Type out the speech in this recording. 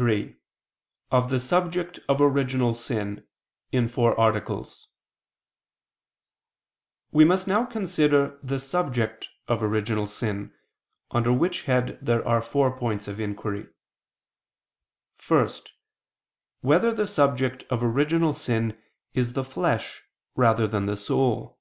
________________________ QUESTION 83 OF THE SUBJECT OF ORIGINAL SIN (In Four Articles) We must now consider the subject of original sin, under which head there are four points of inquiry: (1) Whether the subject of original sin is the flesh rather than the soul?